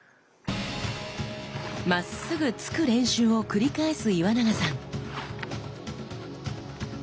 まっすぐ突く練習を繰り返す岩永さん。